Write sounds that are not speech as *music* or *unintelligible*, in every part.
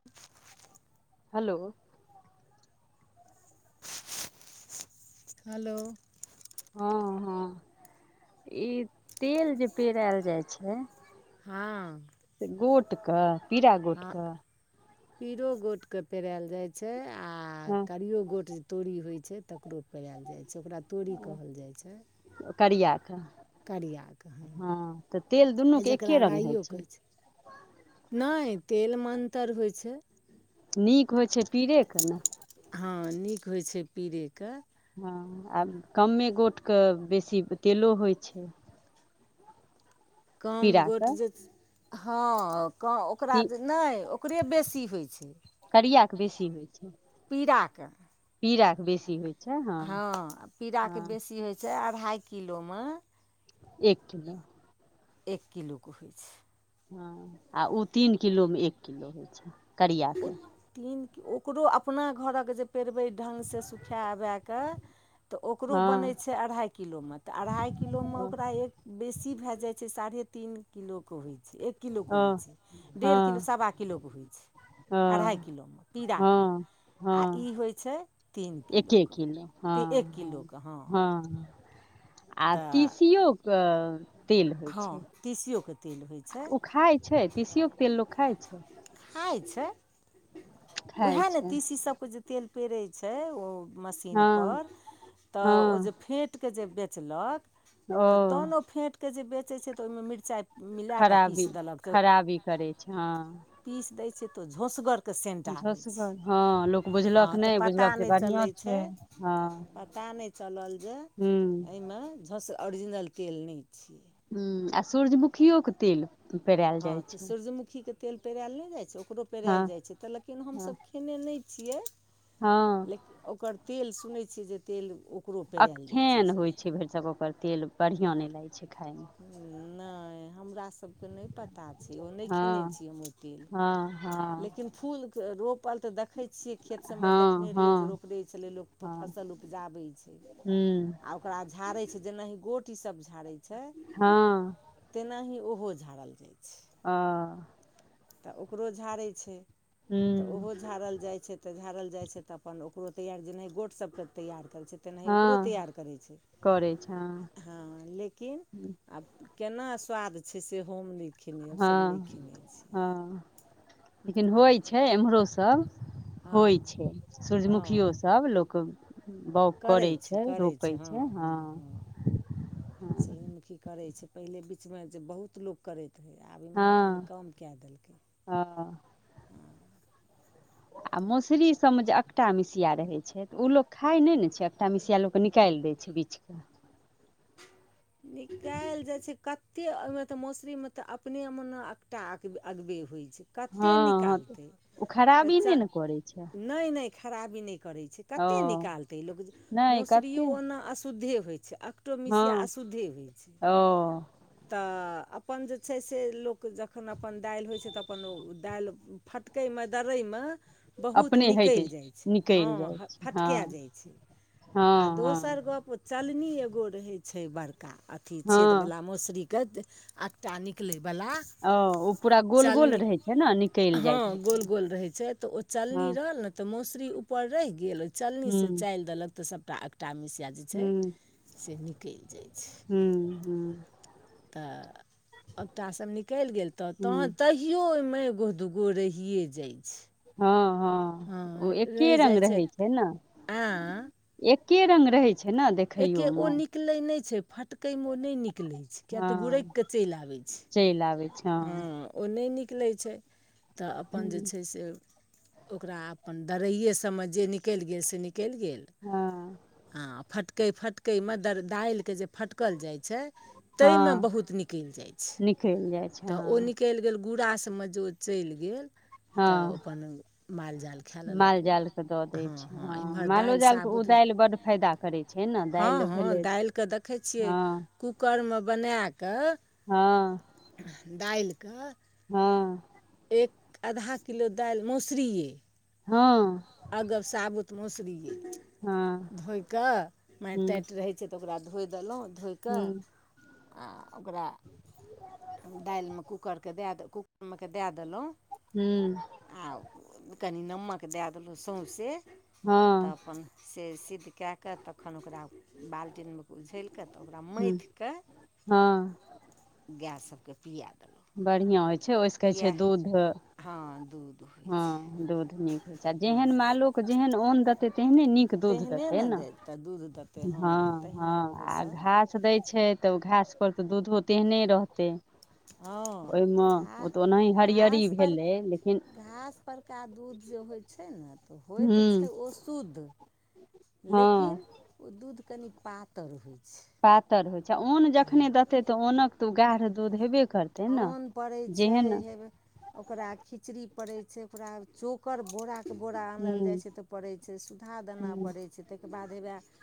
*unintelligible* हलो hello हँ हँ ई तेल जे पेरायल जाय छै हँ से गोटक पीरा हँ गोटक पीरो गोट के पेरायल जाय छै आ हँ करियो गोट तोरी होय छै तकरो पेरायल जाय छै ओकरा तोरी कहल जाय छै करिया के करियाकेऽ ह हँ तऽ तेल दुनू आ के एके जकरा रंग होइ राइओ कहै छै नहि तेलमे अन्तर होय छै नीक होय छै पीरेक न हँ नीक होय छै पीरेक हँ आब कमे गोटक बेसी तेलो होय छै कम गोट पीराके जे हँ ओकरा जे नहि ओकरे बेसी होय छै करियाके बेसी होइ छै पीराके पीराके बेसी होइ छै हँ पीराके हँ बेसी होय छै अढ़ाइ किलोमे एक किलो एक किलो क होय छै हँ आ उ तीन किलोमे एक किलो होय छै करियाके त ओकरो अपना घरक जे पेरवै ढङ्गसँ सुखाए अबयके तऽ ओकरो बनै हँ छै अढ़ाइ किलोम तऽ अढ़ाइ किलोमे हँ ओकरा एक बेसी भए जाय छै साढ़े तीन किलोक होय छै एक किलोके होय छै डेढ़ किलो हँ सवा किलोके होय छै हँ अढ़ाई किलोक पीराक हँ आ ई हँ होय छै तीन एके किलोक किलो हँ त एक किलोक हँ हँ आ तऽ तीसियो के तेल होय छै तीसियो के तेल होय ओ खाय छै तीसियोक तेल लोक खाय छै खाय छै उएह खाइ ने छै तीसी सबके जे तेल पेरै छै ओ हँ मशीनपर तऽ ओ हँ जे फेँट क जे बेचलक ओ तऽ तहन ओ फेँटके जे बेचैत छै तऽ ओहिमे मिरचाइ मिलाए कऽ पीस खराबी देलक तऽ खराबी करै छै हँ पीस दै छै तो झौसगर त सेन्ट आबय छै झसगर हँ लोक हँ बुझलक तऽ नहि पता बुझलक जे नहि बढ़िआँ चलय छै हँ पता नै चलल जे हूँ अइमे झंस ओरिजनल तेल नहि छियै हहूँ आ सूरजमुखियो के तेल पेरायल जाइ छै सूजमुखीके तेल पेरायल नहि जाइ छै ओकरो हँ पेरायल जाइ छै तऽ लेकिन हमसभ खेने नहि छियै हाँ लेकिन ओकर तेल सुनैत छियै जे तेल उ अकठेन होय छै भरिसक ओकर तेल बढ़िया नहि लागय छै खाय मे हूँ नहि हमरा सबके नहि पता पता छै ओ नहि हँ खेने छी हम ओ तेल हँ हँ लेकिन फूलके रोपल तऽ देखय छियै खेत सभमे हँ देखने रहियै जे हँ रोपि दै छलै लोक त हँ फसल उपजाबै छै हूँ आ ओकरा झाड़य छै जेनाहि गोट ई सब झाड़य छै हाँ तेनाही ओहो झाड़ल जाइ छै अ तऽ ओकरो झाड़य छै तऽ हूँ ओहो झाड़ल जाइ छै तऽ झाड़ल जाइ छै तऽ अपन ओकरो तैयार जेनाहि गोट सभके तैयार करै छै तेनाही ओकरो हँ तैआर करै छै करै छै हँ लेकिन आब केना स्वाद छै सेहो होम नै हँ हँं लेकिन होइ हँ छै एम्हरो सभ होइ हँ छै हँ सूरजमुखियोसभ लोक बाउग करै छै रोपै छै हँ सूरजमुखी करै छै पहिले बीचमे जे बहुत लोक करैत रहै आब एम्हर कनि हँ कम कए देलकै हँ हँ आ मौसुरी सब मे जे एकटा मिसिया रहय छै त ओ लोग खाय नहि ने छै एकटा मिसिया लोक निकालि दैय छै बिछ बिछक *inaudible* निकालि जाइ छै कते ओहिमे तऽ मौसुरीमे तऽ अपने मे ने एकटा अगबे होइत छै कतेक हँ हँ निकालतै ओ तऽ खराबी च नहि ने करै छै नहि नहि खराबी नहि करै छै ओ कतेक निकालतै लोक नहि मसुरियो कते ओना अशुद्धे होइ छै हँ अकटोमसिया अशुद्धे होइ छै ओ तऽ अपन जे छै से लोक जखन अपन दालि होइ छै तऽ अपन‌ ओ दालि फटकयमे दर्रयमे बहुत अपने हटि निकैल जाइ छै हँ निकलि जाइ छै फटका हँ जाइ छै आ हँ दोसर हँ गप्प चलनी एगो रहैत छै बड़का अथी हँ छेदवला मौस आकटा निकलै वला ओ ओ पूरा गोल गोल चलनी रहै छै ने निकलि हँ जाइत गोल हेतै गोल रहय छै त ओ चलनी हँ रहल न तऽ मसुरी ऊपर रहि गेल ओहि चलनीसँ हुँ चालि देलक तऽ सभटा एकटा मिसिया जे छै से निकलि जाइ छै हूँ हूँ तऽ एकटासब निकलि गेल तऽ तहन हुँ तै कियो ओहिमे एगो दूगो रहिए जाइ छै हँ हँ ओ एके रंग रहै छै ने आँ एक् रङंग रहै छै ने देख एके ओ निकलै नहि छै फटकैमे ओ नहि निकलै छै किएक हँ तऽ गुरकि कऽ चलि आबै छै चलि आबै छै हाँ हँ ओ नहि निकलै छै तऽ अपन जे हँ छै से ओकरा अपन दरैए सबमे जे निकलि गेल से निकलि गेल हँ। हँ, फटकै-फटकैमे दर डाइल के जे फटकल जाइ छै। ताहिमे बहुत निकलि जाइ छै। खेल जाइ। छै तऽ ओ हँ निकलि गेल, गुड़ासबमे जे ओ चलि गेल। तऽ हँ अपन माल-जाल खा लेलक माल ओ। जाल के दऽ दै छै हँ-हँ, हँ इम्हर मालो दाईल जाल के ओ साबुत। दालि बड्ड फायदा करै छै ने दालि हँ-हँ, भेलै दालिकेँ देखै छियै। हँ कुकरमे बना कऽ। हँ। दालि कऽ। हँ। एक आधा किलो दालि मोसुरी। हँ। अगब, साबुत मसुरी हँ धोइ कऽ हुँ माटि-ताटि रहै। सेतऽ ओकरा धोइ देलहुँ धोइ कऽ हुँ आ ओकरा। दालिमे कूकरकेँ दए द कूकरमेकेँ दए देलहुँ। हूं। आ कनि नामक देय देलहुँ, सौंसे तऽ हँ अपन। से सिद्ध केए कऽ तखन ओकरा। बाल्टीमे उछयलक तऽ ओकरा हुँ मयथ कऽ हँ गैस सभके पिया देलहुॅ। बढ़िया होइ छै, ओहिसँ कहै छै दूध हँ, दूध। होइ छै हँ, दूध नीक होइत छै, आ हँ जेहन मालोकऽ जेहन अन्न देतै तेहने नीक दुध तेहने देते ने न, देत तऽ दूध देतै ह, हँ तऽ ह तहिना घास ओहोसभ घास दै छै, तऽ घासपर तऽ दूधो तेहने रहतै हँ ओहिमे घा घास ओ तऽ ओनाह हरियरी घासपर भेलै लेकिन। घास परका दूध जे होइत छै ने तऽ होइत हुँ छै ओ शुद्ध। हँ लेकिन ओ दूध कनि पातर होइ छै। पातरि होइत छै, अन्न हँ जखने देतै तऽ अन्नके तऽ ओ गरह र दूध हेबे करतै ने अन्न पड़ै छै जेहन। हे ओकरा खिचड़ी पड़ैत छै, ओकरा चोक ओकर बोराके बोरा आनल हुँ जाइ छै, तऽ पड़ै छै, सुधा देनाय पड़ै छै, ताहिके बाद हउवएह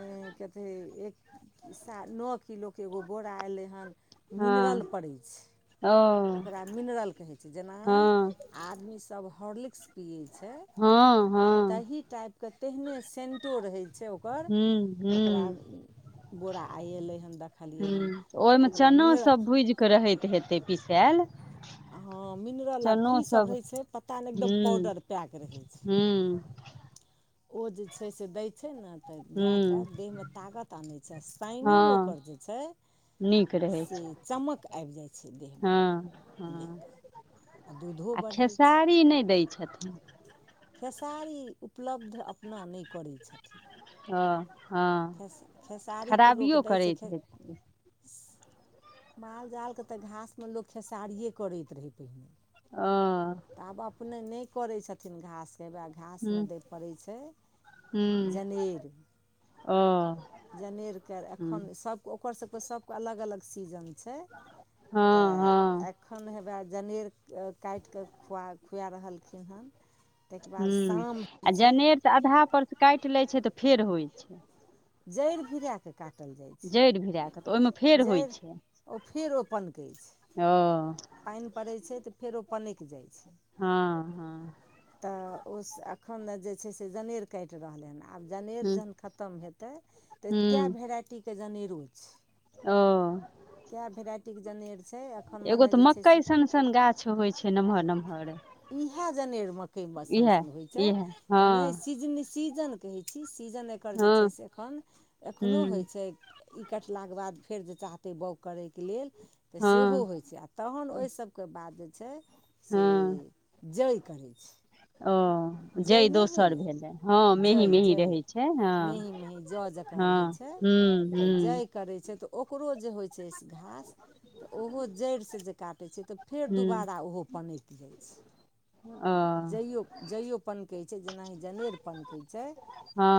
ए काथि एक सा नओ किलोके एगो बोरा अएलै हन। हँ मिनरल पड़ै छै, ओ ओकरा मिनरल कहै छै जेना। हँ आदमी सभ हॉर्लिक्स पियै छै। हँ। हँ तही टाइपके तेहने सेटो रहै छै, ओकर हूँ ओकरा हूँ बोरा आइ एलै हन देखलियै हन तऽ ओकरा मिनरल। सभ भुइजके रहैत हेतै पिसायल। हँ, मिनरल आब चनो की सभ सब रहै छै पता नहि एकदम हूँ पाउडर पैक रहै छै। हूँ ओ जे छै, से दै छै ने। तऽ गाएके हूँ देहमे तागत आनै छै, साइनिंग हँ ओकर जे छै। नीक रहै सँ छै चमक आबि जाइ छै देहमे हँ हँ गाएके आ दूधो आ बढ़ै छै खेसारी नहि दै छथिन? खेसारी उपलब्ध अपना नहि करैत छथिन। हँ, हँ खेस खेसारी खराबियो करैत हेतै मालजालकेँ तऽ घासमे लोक खेसारिए करैत रहै पहिने। आ। तऽ आब अपने नहि करै छथिन घासकेब। घासमे हूँ दै पड़ै छै हूँ जनेर ओ जनेर के हूँ अखन सब के ओकर सब के सब के अलग अलग सीजन से हँ तऽ हँ एखन हेबे जनेर काटि कऽ खुआ खुआ रहलखिन हन ताहिके ह बाद शाम होइ आ छै जनेर तऽ आधा पर काटि लैत छै तऽ फेर होइ छै जड़ि भिराए कऽ काटल जाइ जड़ि भिरा कऽ तऽ ओहिमे फेर छै होइ जड़ि छै ओ फेरो पनकै छै ओ पानि पड़ैत छै तऽ फेरो पनेक जाइ छै हँ हँ तऽ ओ एखन ने जे छै से जनेर कटि रहलै हनँ आब जनेर हूँ जखन खतम हेतै तऽ कए हूँ भेराइटीके जनेरो छै ओ कए भेराइटीके जनेर छै एखन मने जे छै से किछु होइ छै नमहर नमहर इहै जनेर मकइमे इएह सनसन होइत छै इएह तऽ नहि हँ सीजने सीजन कहै छी सीजन एकर जे छै हँ से एखन एखनो हूँ होइ छै ई कटलाके बाद फेर जे चाहतै बाओग करयके लेल तऽ सेहो हँ होइ छै आ तहन ओहिसभके बाद जे छै से हँ जइ करै छै ओ जइ नहि दोसर होइए भेलै हँ मेही जइ मेही जइ रहैत छै हँ मेही मेही जौ जकाँ हँ रहै छै हू हू तऽ जइ करै छै तऽ ओकरो जे होइ छै घास तऽ ओहो जड़िसँ जे काटै छै तऽ फेर हूँ दुबारा ओहो पनैक जाइ छै ओ जइयो जइओ पननकै छै जेनाहि जनेर पननकै छै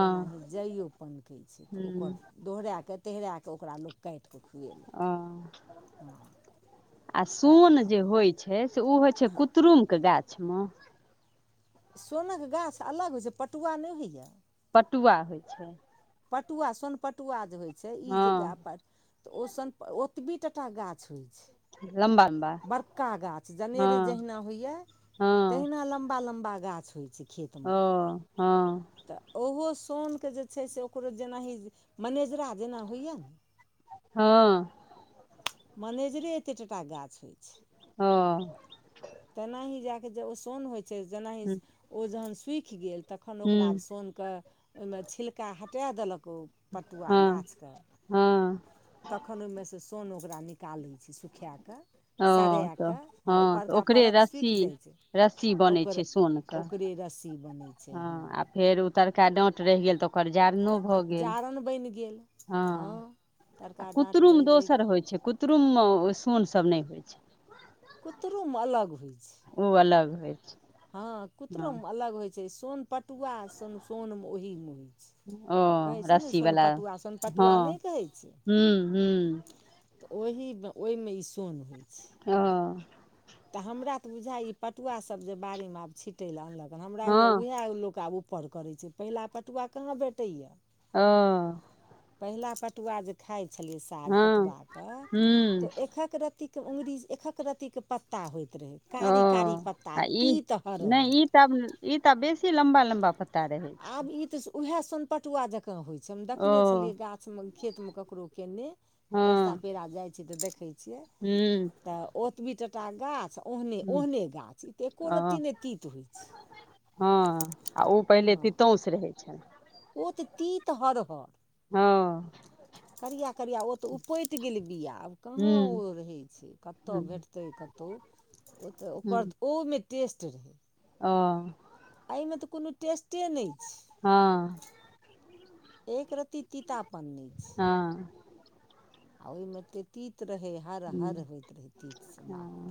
तेनाही जइओ पनकै छै तऽ हूँ ओकर दोहरा कऽ तहिरा कऽ ओकरा लोक काटिकऽ खुएलक ओ हँ आ तऽ सोन एखन जे होइत छै से ओ होइत छै कुत्र्रुमके गाछमे सोनके गाछ अलग होइ छै पटुआ नहि होइए पटुआ होइ छै पटुआ सोन पटुआ जे होइ छै ई जे हँ गापर तऽ ओ सन ओतबी टटा गाछ होइ छै लम्बा लम्बा बड़का गाछ जनेर हँ जहिना होइए हँ तहिना लम्बा लम्बा गाछ होइ छै खेतमे ओ हँ तऽ ओहो सोनके जे छै से ओकरो जेनाही मनेजरा जेना होइए ने हँ मनेजरे एतेक टटा गाछ होइत छै हँ तेनाही जा कऽ जे ओ सोन होइ छै जेनाहि हुँ ओ जखन सूखि गेल तखन ओकरा सीनकऽ ओहिमे छिलका हटा देलक ओ पटुआ हँ गाछके हँ तखन ओहिमेसँ सोन ओकरा निकालै छी सुखा कऽ ओ तऽ हँ तऽ ओकरे परत रस्सी सुखि जाइ छै रस्सी बनै ओकर छै सोनके ओकरे रस्सी बनै छै हँ आ फेर उ तरका डाँट रहि गेल तऽ ओकर जारनो भऽ गेल जारनि बनि गेल हँ आ तड़का डाँट कुतुम रहि गेल दोसर होइत छै कुतुममे सोनसभ नहि होइत छै कु्तरोम अलग होइ छै ओ अलग होय छै हँ हँ कुतरोमे अलग होइ छै सोन पटुआ सोन सोन ओहीमे होइ छै ओ कहै छलै ने रस्सी वला सोनपटुआ हँ सोनपटुआ नहि कहै छै हुँ हुँ तऽ ओहिमे ओहिमे ई सोन होइ छै ओ तऽ हमरा तऽ बुझा ई पटुआसभ जे बाड़ीमे आब छिटय लेलए अनलक ह हमरा हइए हँ उएह लोक आब उ ऊपर करै छै पहिला पटुआ कहाँ भेटैए ओ पहिला पटुआ जे खाइत छलियै साग हँ पटुआके हुँ तऽ एकक रत्ती के अँगुरी एकक रत्तीके पत्ता होइत रहै ओ कारी कारी पत्ता तीत हरहर तब ई त बेसी लम्बा लम्बा पता आब ई तऽ उएह सोनपटुआ जेका काँ होइ छै हम ओ देखने छलियै गाछमे खेतमे ककरो केयने रस्ता पेरा जाइत छियै तऽ देखैत छियै हू तऽ ओतबी टटा गाछ ओहने हुँ ओहने गाछ ई तऽ एको ओ रत्ती नहि तीत होइ छै हँ आ ओ पहिले हँ तितोस रहैत छ ओ त तीत हर हर हँ करिया करियाआ ओ तऽ उऊपटि गेल बिआ आब कहाँ ओ हुँ रहै छै कतऽ हुँ भेटतै कतहु ओ तऽ ओकरऽ ओमे टेस्ट रही हँ एहिमे तऽ कोनो टेस्टे नहि छै हँ एक रती तीता पन्न ने छै हँ आ ओहिमे तऽ तीत रहै हर हुँ हर होइत रहै तीतसँ माहुर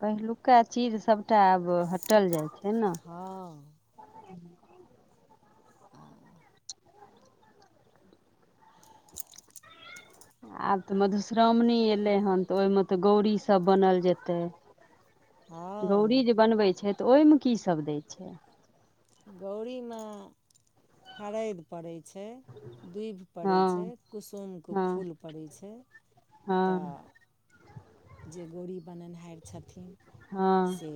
पहिलुका चीड़ सभटा आब हटल जाइ छै ने हँ अ *inaudible* आब तऽ मधुश्रावणी एयलै हन तऽ ओहिमे तऽ गौरीसभ बनल जेतै गौरी हँ जे बनबै छै तऽ ओहिमे की सभ दै छै गौरीमे हरद पड़ै छै दूभि हँ पड़ैत छै कुसुमके हँ फूल पड़ैत छै हँ तऽ जे गौड़री बनेनिहार छथिन हँ से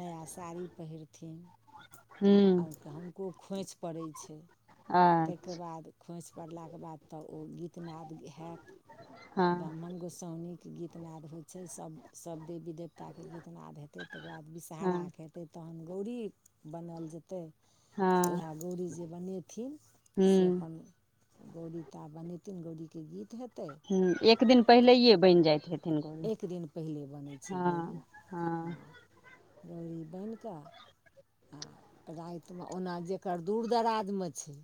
नया साड़ी पहिरथिन हूँ आओर हुनको खोँइछ पड़ै छै आ ताहिके बाद खोँइछ पड़लाके बाद तऽ ओ गीतनााद गेल होत हँ ब्राह्मण गोसाउनीके गीतनाद होइ छै सब देवी देवता ताके गीतनाद हेतै तकर बाद हँ विषहहाराके हेतै तहन गौरी बनाल जेतै उएह हँ गौरी जे बनेथिन से हूँ अपन गौड़री ता बनेथिन गौड़ीक के गीत हेतै हूँ एक दिन पहिलेे बनि जाइत हेथिन गोल एक दिन पहिले बनै छै हँ हँ रौड़री बान्हि कऽ आ रातिमे ओना जकर दूर दराजमे छै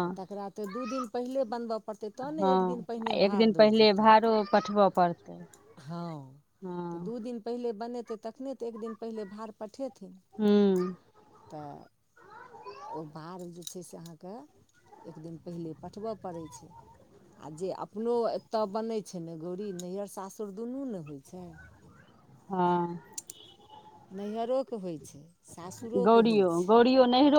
तऽ तकरा तऽ दू दिन पहिले बनबय पड़तै तब ने एक दिन हँ आ पहिने एक भड़ दिन दौड़ि पहिले जेतै भाड़ो पठबऽ पड़तै हँ तऽ हँ दू दिन पहिले बनेतै तखने तऽ एक दिन पहिले भार पठेथिन हू तऽ ओ भार जे छै से अहाँके एक दिन पहिले पठबय पड़ै छै आओर जे अपनो एतऽ बनै छै ने गौरी नैहर सासुर दुनू ने होइ छै हँ नैहरोके होइत छै सासुरोके होइ गौड़ियो छै गौड़ियो नैहरो